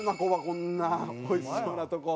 こんなおいしそうなとこ。